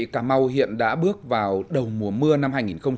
cà mau hiện đã bước vào đầu mùa mưa năm hai nghìn một mươi chín